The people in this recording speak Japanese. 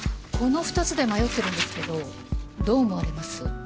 この２つで迷ってるんですけどどう思われます？